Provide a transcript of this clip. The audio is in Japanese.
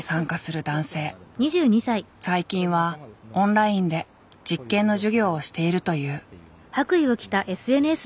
最近はオンラインで実験の授業をしているという。